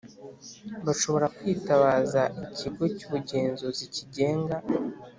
bashobora kwitabaza ikigo cy ubugenzuzi kigenga